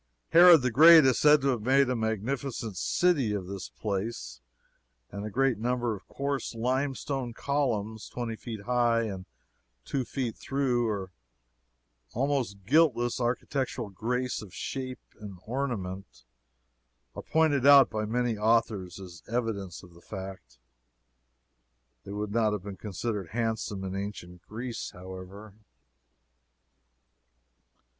Herod the Great is said to have made a magnificent city of this place, and a great number of coarse limestone columns, twenty feet high and two feet through, that are almost guiltless of architectural grace of shape and ornament, are pointed out by many authors as evidence of the fact. They would not have been considered handsome in ancient Greece, however.